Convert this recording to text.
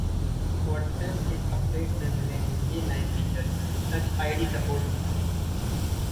WhatsApp के update में मिलेंगे ये नए फीचर्स, टच आईडी सपोर्ट भी